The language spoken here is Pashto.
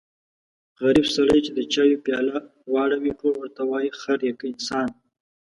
غریب سړی چې د چایو پیاله واړوي ټول ورته وایي خر يې که انسان.